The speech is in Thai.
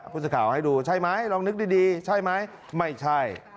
ผู้สื่อข่าวให้ดูใช่ไหมลองนึกดีใช่ไหมไม่ใช่